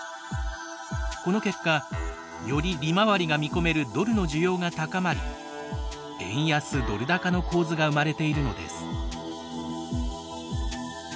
この結果より利回りが見込めるドルの需要が高まり円安ドル高の構図が生まれているのです。